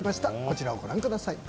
こちらをご覧ください